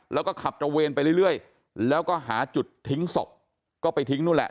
แล้วก็ขับตระเวนไปเรื่อยแล้วก็หาจุดทิ้งศพก็ไปทิ้งนู่นแหละ